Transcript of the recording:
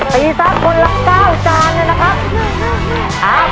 ตีซักคนละ๙จานเนี่ยนะครับ